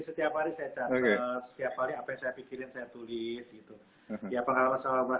setiap hari saya charles setiap hari apa yang saya pikirin saya tulis gitu ya pengalaman sama mas